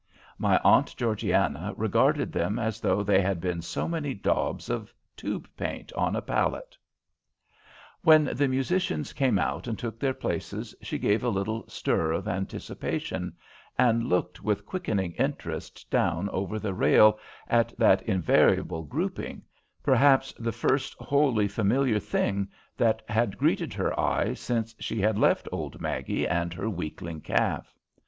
My Aunt Georgiana regarded them as though they had been so many daubs of tube paint on a palette. When the musicians came out and took their places, she gave a little stir of anticipation, and looked with quickening interest down over the rail at that invariable grouping, perhaps the first wholly familiar thing that had greeted her eye since she had left old Maggie and her weakling calf.